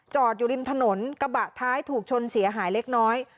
อยู่ริมถนนกระบะท้ายถูกชนเสียหายเล็กน้อย